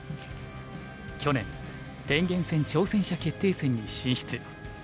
去年天元戦挑戦者決定戦に進出。